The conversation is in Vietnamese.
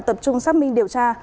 tập trung xác minh điều tra